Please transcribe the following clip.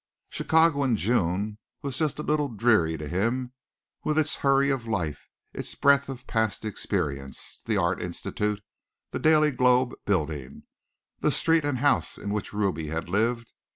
Chicago in June was just a little dreary to him with its hurry of life, its breath of past experience, the Art Institute, the Daily Globe building, the street and house in which Ruby had lived.